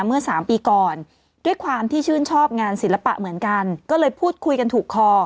เมื่อสามปีก่อนด้วยความที่ชื่นชอบงานศิลปะเหมือนกันก็เลยพูดคุยกันถูกคอ